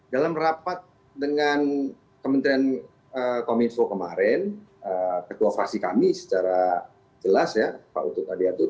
dalam rapat dengan kementerian kominfo kemarin ketua fraksi kami secara jelas ya pak utut adi atut